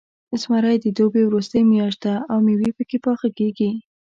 زمری د دوبي وروستۍ میاشت ده، او میوې پکې پاخه کېږي.